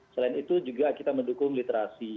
selain itu juga kita mendukung literasi